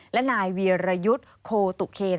และนายเวียรยุทธ์โคตุเคน